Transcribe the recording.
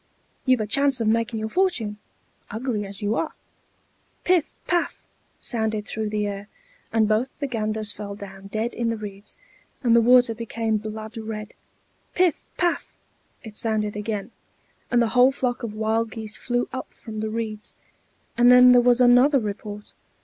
You've a chance of making your fortune, ugly as you are." "Piff! paff!" sounded through the air; and both the ganders fell down dead in the reeds, and the water became blood red. "Piff! paff!" it sounded again, and the whole flock of wild geese flew up from the reeds. And then there was another report.